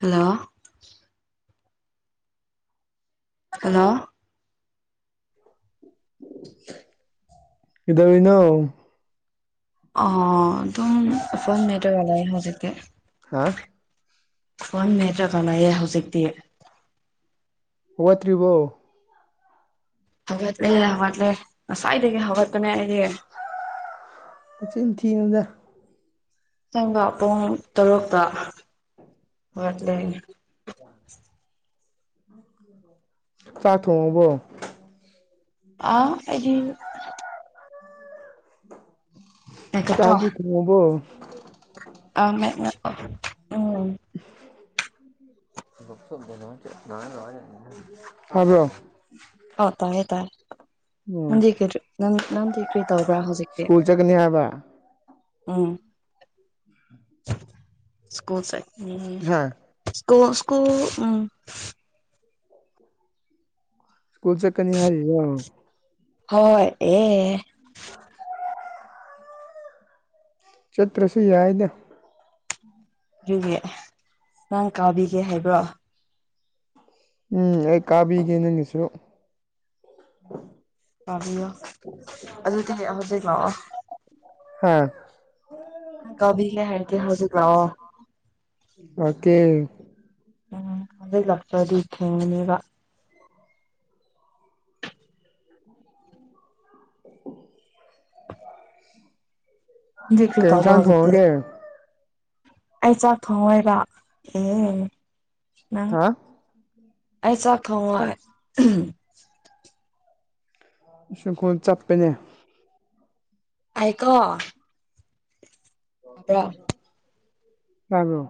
hello hello ꯏꯗꯅꯣ ꯑꯣ ꯑꯗꯨꯝ ꯐꯣꯟ ꯅꯦꯠꯔ ꯋꯥꯂꯥꯏ ꯍꯧꯖꯤꯛ ꯍꯥ ꯍꯟ ꯃꯦꯠꯇ꯭ꯔ ꯀꯥꯟꯅꯌꯦ ꯍꯧꯖꯤꯛꯇꯤ ꯋꯥꯠꯇ꯭ꯔꯤꯔꯤꯕꯣ ꯍꯋꯥꯠ ꯂꯩ ꯍꯋꯥꯠꯂ ꯉꯁꯥꯏꯗꯒꯦ ꯍꯋꯥꯠꯇꯅꯦ ꯆ ꯊꯤꯅꯖꯔ ꯆꯪꯕ ꯄꯨꯡ ꯇꯔꯨꯛꯇ ꯋꯥꯠꯂꯅꯤ ꯆꯥꯛ ꯊꯣꯡꯉꯕꯣ ꯑꯥ ꯑꯩꯒꯤ ꯆꯥꯡꯒꯤ ꯊꯣꯡꯕꯣ ꯑ ꯃ ꯎ ꯍꯂꯣ ꯇ ꯎꯝ ꯅꯟꯗꯤ ꯀꯗꯔꯤ ꯅ ꯅꯟ ꯀ꯭ꯔꯤ ꯇꯧꯕ꯭ꯔꯥ ꯍꯧꯖꯤꯛꯛꯇꯤ ꯁ꯭ꯀꯨꯜ ꯆꯠꯀꯅꯤ ꯍꯥꯏꯕ ꯎꯝ ꯁꯀꯨꯜꯁ ꯍꯥ ꯀꯣ ꯁꯀꯨ ꯎ ꯁ꯭ꯀꯨꯜ ꯆꯠꯀꯅꯤ ꯍꯥꯏꯔꯤ ꯑ ꯍꯣꯏ ꯑꯦ [unintelligible] ꯆꯠꯇ꯭ꯔꯁꯨ ꯌꯥꯏꯅ ꯑꯗꯨꯒꯤ ꯅꯪ ꯀꯥꯕꯤꯒꯦ ꯍꯥꯏꯕ꯭ꯔꯣ ꯎꯝ ꯑꯩ ꯀꯥꯕꯤꯒꯦ ꯅꯪ ꯉꯁꯨꯣ ꯇꯥꯕꯤꯌꯣ ꯑꯗꯨꯗꯤ ꯍꯧꯖꯤꯛ ꯂꯥꯛꯑꯣ ꯍꯥꯝ ꯀꯕꯤꯒ ꯍꯥꯏꯗꯤꯦ ꯍꯧꯁꯨꯛꯇꯑꯣ ꯑꯀꯦꯜ ꯎꯝ ꯑꯗꯨꯗꯩ ꯂꯥꯛꯁꯗꯤ ꯈꯦꯅꯦꯕ ꯀꯩ ꯏꯟꯁꯥꯡ ꯕꯤꯈ꯭ꯔꯤꯇꯐꯗ ꯊꯣꯡꯉꯒꯦ ꯑꯩ ꯆꯥꯛ ꯊꯣꯡ ꯍꯥꯏꯕ ꯑꯦ ꯅꯪ ꯍꯥ ꯑꯦꯁꯥ ꯈ ꯁꯪꯈꯣꯜ ꯆꯠꯄꯅꯦ ꯑꯩꯀꯣ ꯑ꯭ꯔꯥ ꯑꯗꯣ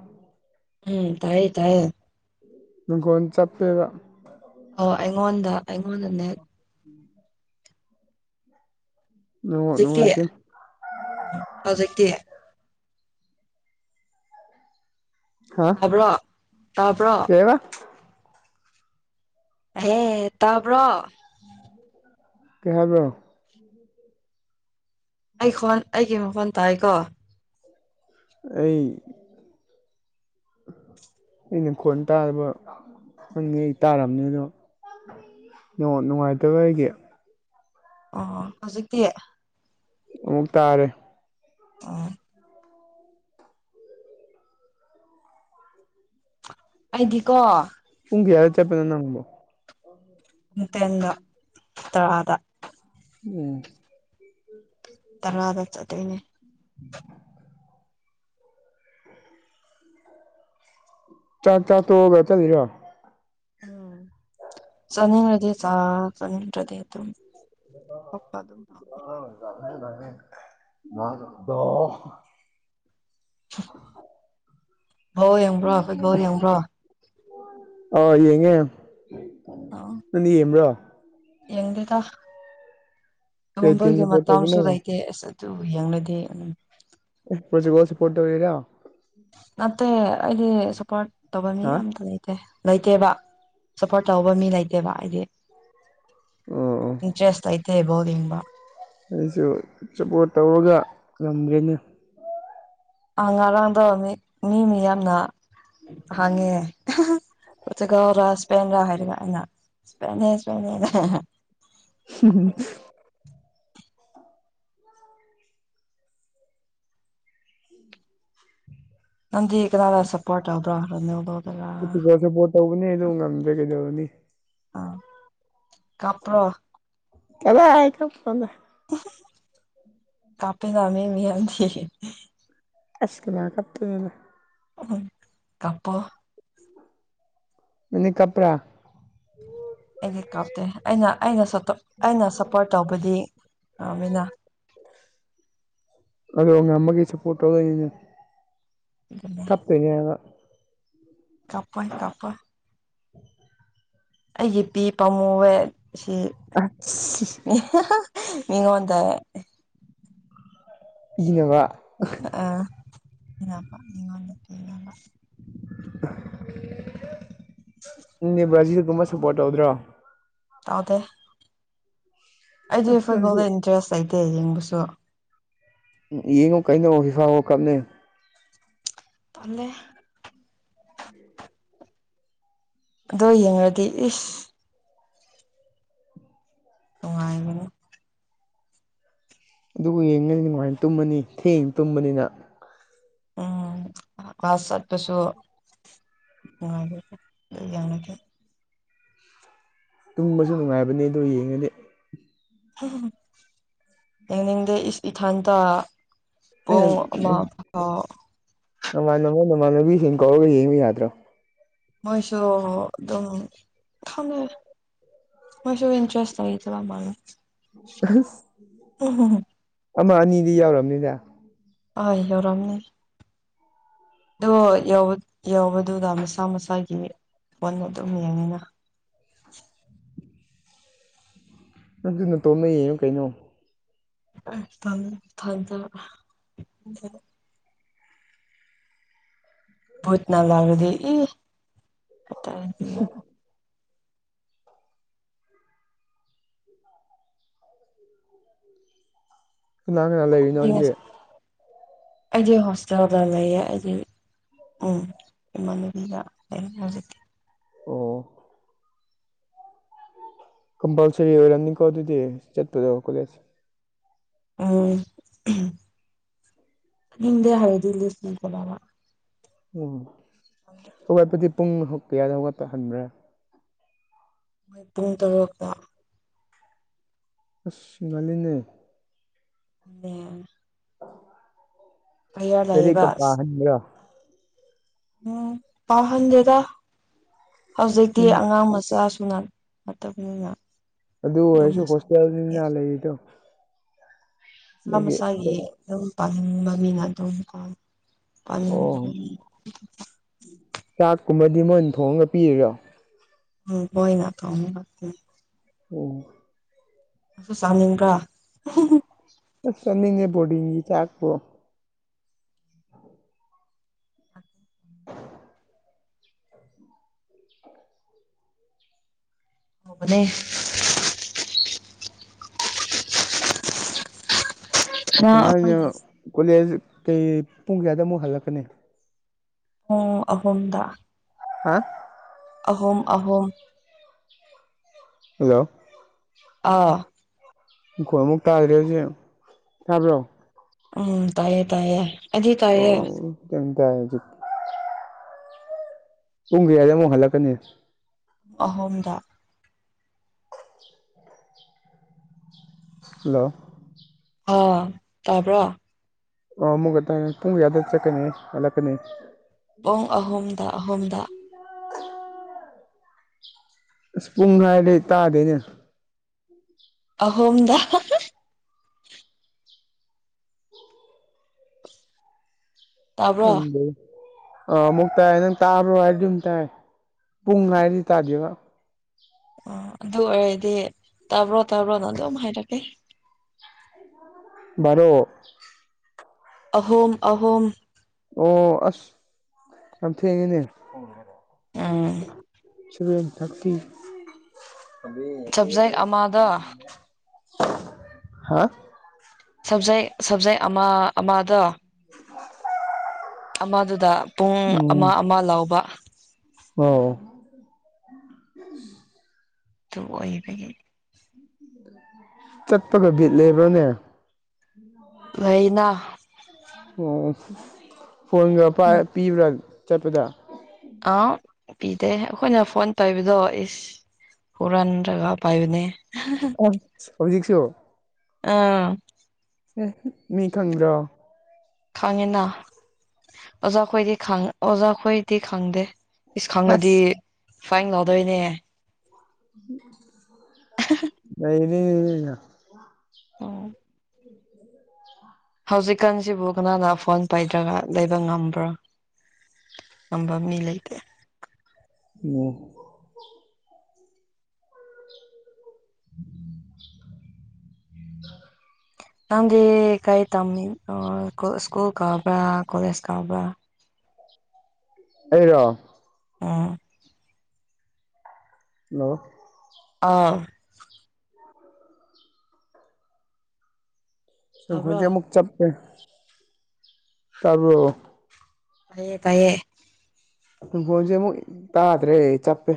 ꯎꯝ ꯇꯥꯏ ꯇꯥꯏꯌꯦ ꯪꯒꯣꯟ ꯆꯞꯄꯦꯕ ꯑꯣ ꯑꯩꯉꯣꯟꯗ ꯑꯩꯉꯣꯟꯗꯅꯦ ꯎꯝ ꯅꯦꯠꯋꯥꯛ ꯍꯧꯖꯤꯛꯇꯤ ꯅꯨꯡꯉꯥꯏꯇꯦ ꯍꯧꯖꯤꯛꯇꯤ ꯍꯥ ꯇꯄꯣ ꯇꯥꯄꯣ ꯀꯩꯕ ꯍꯦ ꯇꯄꯣ ꯀꯩꯕ ꯑꯩꯟ ꯑꯩꯒꯤ ꯃꯈꯣꯟ ꯇꯥꯏ ꯀꯣ ꯑꯩ ꯑꯩꯅ ꯈꯣꯟ ꯇꯥꯕ ꯈꯪꯉꯦ ꯑꯩ ꯇꯥꯔꯝꯅꯦ ꯑꯗꯣ ꯅꯨꯡꯉꯥꯏꯇꯕ ꯑꯩꯒꯤ ꯑꯣ ꯍꯧꯖꯤꯛꯇꯤ ꯑꯃꯨꯛꯇ ꯇꯥꯔꯦ ꯑꯥ ꯑꯩꯗꯤꯀꯣ ꯌꯥ ꯆꯦꯅꯕꯣ ꯍꯇꯦꯟꯗ ꯇꯔꯥꯗ ꯎꯝ ꯇꯔꯋꯥꯗ ꯆ ꯑꯗꯨꯅꯤ ꯆꯥꯛ ꯆꯥꯛ ꯇꯣꯛꯑꯒ ꯆꯠꯂꯤꯔꯣ ꯎꯝ ꯁꯅꯤ ꯍꯗ ꯁꯥ ꯁꯅꯤ ꯍꯗ ꯑꯗꯨꯝ ꯊꯣꯛꯄ ꯑꯗꯨꯝ ꯇꯧ ꯑ ꯉꯗꯣ [unintelligible] ꯕꯎ ꯌꯦꯡꯕ꯭ꯔꯣ ꯐꯨꯠꯕꯣꯜ ꯌꯦꯡꯕ꯭ꯔꯣ ꯑꯥ ꯌꯦꯡꯉꯦ ꯅꯪꯗꯤ ꯌꯦꯡꯕ꯭ꯔꯣ ꯌꯦꯗꯦꯗ ꯀꯩ ꯇꯤꯝ ꯇꯣꯝꯕꯒꯤ ꯁꯞꯄꯣꯔꯠ ꯇꯧꯕꯅꯣ ꯃꯇꯝꯁꯨ ꯂꯩꯇꯦ ꯑꯁ ꯑꯗꯨ ꯌꯦꯡꯂꯅꯗꯤꯦ ꯑꯗꯨꯝ ꯄꯨ ꯀꯣꯁꯤ ꯄꯨꯇ ꯑꯣꯏꯔꯣ ꯅꯠꯇꯦ ꯑꯩꯗꯤ ꯁꯞꯄꯣꯔꯠ ꯇꯧꯕ ꯃꯤ ꯍꯥ ꯑꯇ ꯂꯩꯇꯦ ꯂꯩꯇꯦꯕ ꯁꯞꯄꯣꯔꯠ ꯇꯧꯕ ꯃꯤ ꯂꯩꯇꯦꯕ ꯍꯥꯏꯗꯤ ꯑꯣ ꯑꯣ ꯏꯟꯇ꯭ꯔꯦꯁ ꯑꯥꯏꯇꯕꯣꯗꯤ ꯏꯕ ꯑꯩꯁꯨ ꯆꯄꯣꯔꯠ ꯇꯧꯔꯒ ꯉꯝꯒꯅꯤ ꯉꯔꯥꯡꯗ ꯃꯤ ꯃꯤ ꯃꯤ ꯌꯥꯝꯅ ꯍꯥꯡꯉꯦ ꯒ ꯔ ꯁꯄ ꯔ ꯍꯥꯏꯔꯩꯅ ꯁꯄꯅꯦꯄ [unintelligible] ꯅꯪꯗꯤ ꯀꯅꯥꯗ ꯁꯞꯄꯣꯔꯠ ꯇꯧꯕ꯭ꯔꯥ ꯔꯣꯅꯥꯜꯗꯣꯗꯔꯥ ꯎꯝ ꯏꯄꯣꯠꯁꯨꯄꯣꯠ ꯇꯧꯕꯅꯤ ꯑꯗꯨ ꯉꯝꯗ꯭ꯔꯦ ꯀꯩꯗꯧꯔꯅꯤ ꯀꯄ꯭ꯔꯣ ꯀꯂꯣ ꯍꯥꯏꯄ ꯀꯥꯄꯦꯗꯃꯤ ꯃꯤ ꯌꯥ ꯑꯁꯅꯥ ꯀꯞꯄ ꯎ ꯀꯄꯣ ꯑꯅꯤ ꯀꯄ꯭ꯔꯥ ꯌꯦ ꯀꯞꯇꯦ ꯑꯩꯅ ꯑꯩꯅ ꯁꯣ ꯑꯩꯅ ꯁꯞꯄꯣꯔꯠ ꯇꯧꯕꯗꯤ ꯃꯤꯅ ꯑꯗꯨꯗ ꯑꯃꯒꯤ ꯐꯣꯇꯣ ꯀꯞꯅꯤ ꯍꯥꯏ ꯀꯄꯣꯏ ꯀꯄꯣꯏ ꯎꯝ ꯑꯩꯒꯤ ꯄꯤ ꯄꯥꯃꯨꯋꯦ ꯁꯤ ꯑꯁ ꯃꯤꯉꯣꯟ ꯗ ꯏꯉ ꯋꯥ ꯑ ꯏꯄꯥ ꯋꯥꯇꯕ ꯅꯦ ꯕ꯭ꯔꯥꯖꯤꯜꯒꯨꯝꯕ ꯁꯞꯄꯣꯔꯠ ꯇꯧꯗ꯭ꯔꯣ ꯇꯗꯤ ꯑꯩꯗꯤ ꯑꯁ ꯅꯪꯁꯨ ꯐꯨꯠꯕꯣꯜꯗ ꯏꯟꯇꯔꯦꯁ ꯂꯩꯇꯦ ꯌꯦꯡꯕꯁꯨ ꯎ ꯌꯦꯡꯉꯣ ꯀꯩꯅꯣ ꯐꯐꯥ ꯀꯞꯅꯦ ꯇꯂꯦ ꯑꯗꯣ ꯌꯦꯡꯉꯗꯤ ꯏꯁ ꯋꯥ ꯑꯗꯨꯒ ꯌꯦꯡꯉꯅꯤꯅ ꯃꯥꯏꯅ ꯇꯨꯝꯃꯅꯤ ꯊꯦꯡ ꯇꯨꯝꯕꯅꯤꯅ ꯎꯝ ꯑꯁꯠ ꯄꯁꯨ ꯃꯥ ꯌꯥꯅꯠꯇ ꯇꯨꯝꯕꯁꯨ ꯅꯨꯡꯉꯥꯏꯕꯅꯤ ꯑꯗꯨ ꯌꯦꯡꯉꯗꯤ ꯌꯦꯅꯤꯡꯗꯦ ꯏꯊꯥꯟꯇ ꯄ ꯃ ꯅꯃꯥꯟ ꯃꯣꯏ ꯅꯃꯥꯟꯅꯕꯤꯁꯤꯡ ꯀꯧꯔꯒ ꯌꯦꯡꯕ ꯌꯥꯗ꯭ꯔꯣ ꯃꯣꯏꯁꯨ ꯑꯗꯨꯝ ꯈꯝꯅꯔꯦ ꯃꯁ ꯏꯟꯇꯔꯦꯁ ꯍꯥꯏ ꯏꯆ ꯑꯃꯅ ꯑꯁ ꯎ ꯑꯃ ꯑꯅꯤꯗꯤ ꯌꯥꯎꯔꯕꯅꯤꯗ ꯍ ꯌꯧꯎꯔꯝꯅꯤ ꯑꯗꯣ ꯌꯎꯧꯕꯗꯨꯗ ꯃꯁꯥ ꯃꯁꯥꯒꯤ ꯐꯣꯟ ꯑꯗꯨꯝ ꯌꯦꯡꯉꯤꯅ [unintelligible] ꯇꯧꯅꯩꯅ ꯀꯩꯅꯅꯣ ꯐꯝ ꯐꯗ ꯣꯠ ꯅ ꯂꯥꯛꯂꯗꯤ ꯏ [unintelligible] ꯀꯅꯥ ꯀꯅꯥ ꯂꯩꯔꯤꯅꯣꯖꯤꯁꯦ ꯑꯩꯗꯤ ꯍꯣꯁꯇꯦꯜꯗꯥ ꯂꯩꯌꯦ ꯑꯩꯗꯤ ꯎꯝ ꯏꯃꯥꯟꯅꯕꯤꯒ ꯂꯩ ꯍꯧꯖꯤꯛꯇꯤ ꯑꯣ ꯀꯝꯄꯜꯁꯔꯤ ꯑꯣꯏꯔꯝꯅꯤꯀꯣ ꯑꯗꯨꯗꯤ ꯆꯠꯄꯗꯣ ꯀꯣꯂꯦꯖ ꯎ ꯍꯗꯦ ꯍꯥꯏꯗꯤꯦ ꯐꯜ ꯀꯂ ꯎꯝ ꯍꯧꯋꯥꯠꯄꯗꯤ ꯄꯨꯡ ꯀꯌꯥꯗ ꯍꯧꯒꯠꯄ ꯍꯟꯕ꯭ꯔꯥ ꯃꯣꯏ ꯄꯨꯡ ꯇꯔꯨꯛꯇ ꯑꯁ ꯏ ꯉꯂꯤꯅꯦ ꯗ ꯐꯗꯤ ꯂꯩꯌꯦꯕ ꯀꯄꯥ ꯍ ꯎꯝ ꯄꯥꯍꯟꯗꯦꯗ ꯍꯧꯖꯤꯛꯇꯤ ꯎꯝ ꯑꯉꯥꯡ ꯃꯆꯥꯁꯨ ꯅꯥ ꯑꯗꯨ ꯍꯁꯨ ꯍꯣꯁꯇꯦꯜ ꯅ ꯂꯩꯗꯣ ꯃꯁꯥ ꯃꯁꯥꯒꯤ ꯑꯗꯨꯝ ꯄꯥꯅꯤꯡꯕ ꯃꯤꯅ ꯑꯗꯨꯝ ꯀꯣ ꯑ ꯑꯣ ꯀꯨꯝꯕꯗꯤ ꯃꯣꯏꯅ ꯊꯣꯡꯉꯒ ꯄꯤꯔꯔꯣ ꯎꯝ ꯍꯣꯏ ꯅꯅꯥꯇ ꯑꯃ ꯂ ꯑꯣ ꯑ ꯆꯥꯅꯤꯡ ꯀ ꯆꯅꯤꯦ ꯄꯣꯗꯤꯒꯤ ꯊꯥꯛꯕꯨꯣ ꯐꯕꯅꯦ ꯃꯃꯅ ꯑꯩꯈꯣꯏꯒꯤ ꯀꯣꯂꯦꯖ ꯀꯩ ꯄꯨꯡ ꯀꯌꯥꯗ ꯑꯃꯨꯛ ꯍꯜꯂꯛꯀꯅꯤ ꯑꯣ ꯑꯍꯨꯝꯗ ꯍꯥꯝ ꯑꯍꯣꯨꯝ ꯑꯍꯣꯨꯝ ꯍꯜꯂꯣ ꯑꯥ ꯑꯩꯈꯣꯏꯃꯨꯛ ꯇꯥꯗ꯭ꯔꯦ ꯍꯧꯖꯤꯛ ꯇꯥꯕ꯭ꯔꯣ ꯎꯝ ꯇꯥꯏꯌꯦ ꯇꯥꯏꯌꯦ ꯑꯗꯨ ꯇꯥꯏꯌꯦ ꯀꯖꯤ ꯄꯨꯡ ꯀꯌꯥꯗ ꯑꯃꯨꯛ ꯍꯜꯂꯛꯀꯅꯤ ꯑꯍꯣꯨꯝꯗ ꯍꯜꯂꯣ ꯑ ꯇꯄ ꯑ ꯑꯃꯨꯛꯒ ꯇ ꯇꯨꯡ ꯌꯥꯗ ꯆꯠꯀꯅꯤ ꯍꯜꯂꯛꯀꯅꯤ ꯄꯨꯡ ꯑꯍꯨꯝꯗ ꯑꯍꯨꯝꯗ [unintelligible] ꯑꯁ ꯄꯨꯡ ꯃꯏꯗꯩ ꯇꯥꯗꯣꯏꯅꯦ ꯑꯍꯣꯝꯗ ꯇꯥꯕ꯭ꯔꯣ ꯎ ꯑꯥ ꯑꯃꯨꯛ ꯇꯥꯏ ꯅꯪ ꯇꯥꯕ꯭ꯔꯣ ꯍꯥꯏꯔꯗꯤ ꯑꯗꯨꯝ ꯇꯥꯏ ꯄꯨꯡ ꯉꯥꯏꯔꯗꯤ ꯇꯥꯗꯦꯕ ꯑꯣ ꯑꯗꯨ ꯑꯣꯏꯔꯗꯤ ꯇꯥꯕ꯭ꯔꯣ ꯇꯥꯕ꯭ꯔꯣꯅꯪ ꯑꯗꯨꯝ ꯍꯥꯏꯔꯛꯀꯦ ꯔꯣ ꯑꯍꯣꯝ ꯑꯍꯣꯝ ꯑꯣ ꯑꯁ ꯌꯥꯝ ꯊꯦꯡꯉꯤꯅꯦ ꯑꯥ ꯁ ꯊꯀꯤ ꯁꯕꯖꯦꯛ ꯑꯃꯗ ꯍꯥ ꯁꯕꯖꯦꯛ ꯁꯕꯖꯦꯛ ꯑꯃ ꯑꯃꯗ ꯑꯃꯗꯨꯗ ꯄꯨꯡ ꯑꯃ ꯎꯝ ꯑꯃ ꯂꯥꯎꯕ ꯑꯣ ꯇ ꯑꯣꯏꯍꯕꯒꯤ ꯆꯠꯄꯒ ꯕꯤꯠ ꯂꯩꯕ꯭ꯔꯣꯅꯦ ꯂꯩꯅ ꯑꯣ ꯐꯣꯟꯗꯨ ꯄꯤꯕ꯭ꯔꯥ ꯆꯠꯄꯗ ꯑꯥ ꯄꯤꯗꯦ ꯑꯩꯈꯣꯏꯅ ꯐꯣꯟ ꯇꯧꯕꯗꯣ ꯏꯁ ꯄꯨꯔꯥꯅ ꯇꯒ ꯄꯥꯏꯕꯅꯦ ꯁꯖꯁꯤ ꯑꯥ ꯑꯦ ꯃꯤ ꯈꯪꯕ꯭ꯔꯣ ꯈꯥꯡꯉꯤꯅ ꯑꯣꯖꯥ ꯈꯣꯏꯗꯤ ꯑꯣꯖꯥꯈꯣꯏꯗꯤ ꯈꯪꯗꯦ ꯏꯁ ꯈꯪꯅꯗꯤ ꯑꯁ ꯐꯥꯏꯟ ꯂꯧꯗꯣꯏꯅꯦ ꯑꯩ ꯑ ꯍꯧꯖꯤꯛꯀꯥꯟꯁꯤꯕꯨ ꯀꯅꯥꯅ ꯐꯣꯟ ꯄꯥꯏꯗ꯭ꯔꯒ ꯂꯩꯕ ꯉꯝꯕ꯭ꯔꯣ ꯅꯝꯕꯝꯃꯤ ꯂꯩ ꯂꯩꯇꯦ ꯑꯣ ꯎ ꯅꯪꯦ ꯀꯩ ꯇꯝ ꯑ ꯁꯀꯨꯜ ꯀꯕ꯭ꯔꯥ ꯀꯂꯦꯖ ꯀ ꯍꯕ꯭ꯔꯥ ꯑꯩꯗ ꯑꯥ ꯍ ꯑꯥ ꯇꯥꯕ꯭ꯔꯣ ꯈꯣꯏꯁꯦꯃꯨꯛ ꯆꯞꯦ ꯇꯔꯕ ꯐꯌꯦ ꯐꯌꯦꯦ ꯏꯪꯈꯣꯟꯁꯦ ꯑꯃꯨꯛ ꯇꯥꯗ꯭ꯔꯦ ꯆꯞꯄꯦ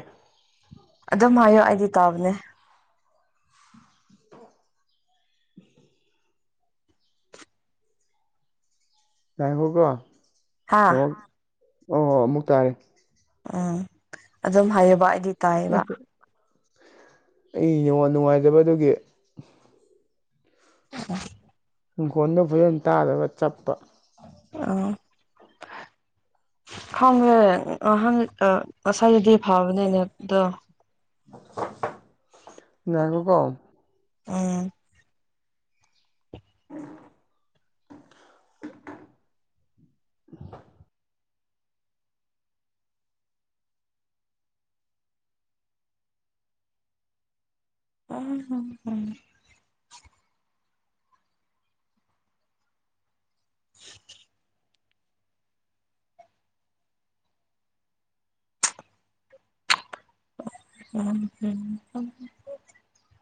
ꯑꯗꯨꯝ ꯍꯥꯏꯌꯣ ꯑꯩꯗꯤ ꯇꯥꯕꯅꯦ ꯉꯥꯏꯈꯣꯀꯣ ꯍꯥ ꯑꯣ ꯍ ꯑꯃꯨꯛ ꯇꯥꯔꯦ ꯎꯝ ꯑꯗꯨꯝ ꯍꯥꯏꯌꯦꯕ ꯑꯩꯗꯤ ꯇꯥꯏꯌꯦꯕ ꯑꯩꯉ ꯅꯨꯡꯉꯥꯏꯖꯕꯗꯨꯒꯤ ꯎ ꯏꯪꯈꯣꯟꯗ ꯐꯖꯅ ꯇꯥꯗꯕ ꯆꯠꯄ ꯑ ꯐꯣꯡ꯭ꯔꯦ ꯑ ꯍꯪ ꯑ ꯉꯁꯥꯏꯗꯗꯤ ꯐꯕꯅꯦꯅꯦ ꯑꯗ ꯅꯈꯣ ꯀꯣ ꯎꯝ ꯎꯝ [unintelligible] ꯑꯝ [unintelligible] ꯎꯝꯝ